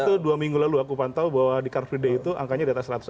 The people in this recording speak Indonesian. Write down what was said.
itu dua minggu lalu aku pantau bahwa di car free day itu angkanya di atas seratus